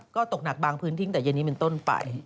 ก็ตกหนักบางพื้นที่ตั้งแต่เย็นนี้เป็นต้นไป